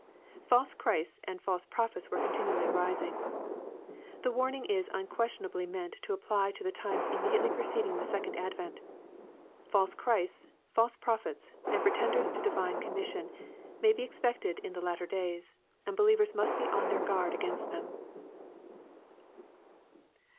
False Christs and false prophets were continually arising. The warning is unquestionably meant to apply to the times immediately preceding the second ad« vent. False Christs, false prophets, and pretendere to divine com mission may be expected in the lattei days, and believers must be on their guard against tliem.